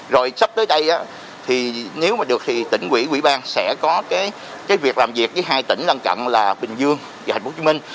rồi sắp tới đây thì nếu mà được thì tỉnh quỹ quỹ ban sẽ có cái việc làm việc với hai tỉnh lân cận là bình dương và thành phố hồ chí minh